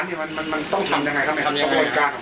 ถ้าเจ้าไม่ได้ออกจากร่วมแค่หนึ่งอาทิตย์หรือหนึ่งวัน